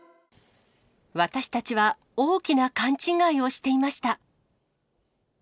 私たちは大きな勘違いをしていました。